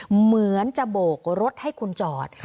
เหมือนจะโบกรถให้คุณจอด